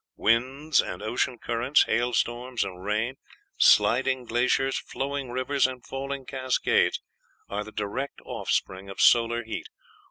"Winds and ocean currents, hailstorms and rain, sliding glaciers, flowing rivers, and falling cascades are the direct offspring of solar heat.